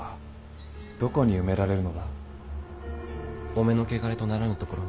お目の穢れとならぬところに。